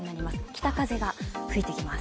北風が吹いてきます。